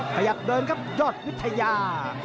ขยับเดินครับยอดวิทยา